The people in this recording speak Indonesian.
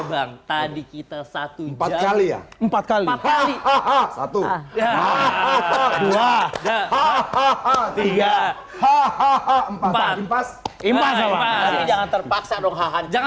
bang tadi kita satu jalan ya empat kali hahaha satu hahaha hahaha hahaha hahaha hahaha